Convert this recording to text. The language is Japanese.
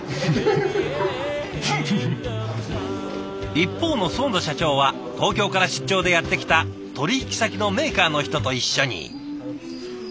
一方の囿田社長は東京から出張でやって来た取引先のメーカーの人と一緒に。